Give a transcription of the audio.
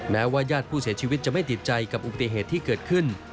แม้ว่าญาติผู้เสียชีวิตจะไม่ติดใจกับอุบัติเหตุที่เกิดขึ้น